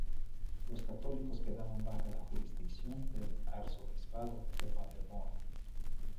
Los católicos quedaban baja la jurisdicción del arzobispado de Paderborn.